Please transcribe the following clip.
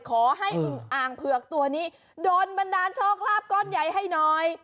ขอให้อึ่งอ่างเผือกตัวนี้โดนบันดาลชอกราบก้อนใหญ่ให้หน่อย